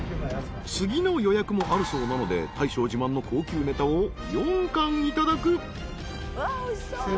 ［次の予約もあるそうなので大将自慢の高級ねたを４貫いただく］